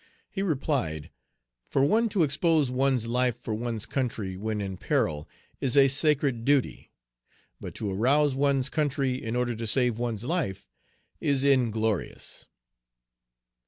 He replied, "For one to expose one's life for one's country when in peril is a sacred duty; but to arouse one's country in order to save one's life, is inglorious."